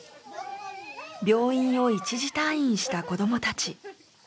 病院を一時退院した子どもたち。